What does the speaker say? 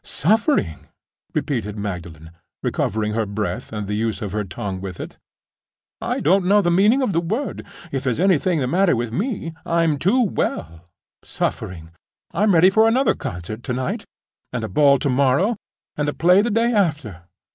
"Suffering!" repeated Magdalen, recovering her breath, and the use of her tongue with it. "I don't know the meaning of the word: if there's anything the matter with me, I'm too well. Suffering! I'm ready for another concert to night, and a ball to morrow, and a play the day after.